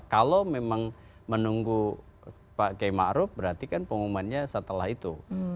kalau memang menunggu pak k maruf berarti kan pengumumannya setelah itu